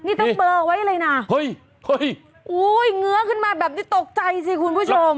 นี่ต้องเบลอไว้เลยนะเฮ้ยอุ้ยเงื้อขึ้นมาแบบนี้ตกใจสิคุณผู้ชม